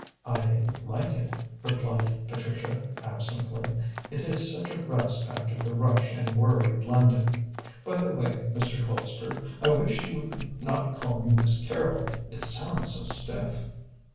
"I like it," replied Patricia absently; "it is such a rest after the rush and worry of London. By the way, Mr. Colpster, I wish you would not call me Miss Carrol: it sounds so stiff."